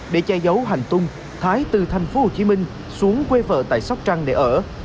để che giấu hành tung thái từ thành phố hồ chí minh xuống quê vợ tại sóc trăng để ở